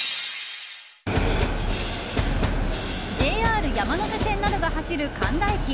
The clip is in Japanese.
ＪＲ山手線などが走る神田駅。